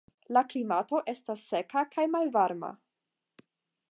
La klimato estas seka kaj malvarma.